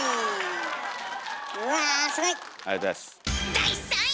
第３位！